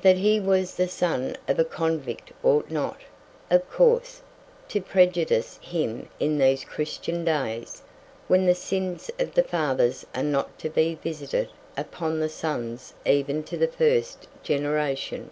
That he was the son of a convict ought not, of course, to prejudice him in these Christian days, when the sins of the fathers are not to be visited upon the sons even to the first generation.